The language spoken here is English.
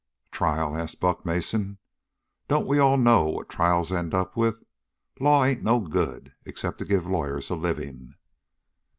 "Trial?" asked Buck Mason. "Don't we all know what trials end up with? Law ain't no good, except to give lawyers a living."